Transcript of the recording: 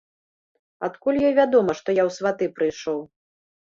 Адкуль ёй вядома, што я ў сваты прыйшоў?